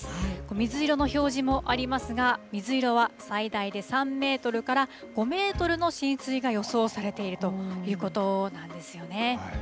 水色の表示もありますが、水色は最大で３メートルから５メートルの浸水が予想されているということなんですよね。